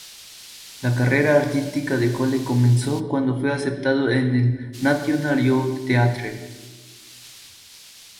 La carrera artística de Cole comenzó cuando fue aceptado en el National Youth Theatre.